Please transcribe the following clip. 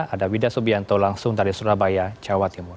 ada wida subianto langsung dari surabaya jawa timur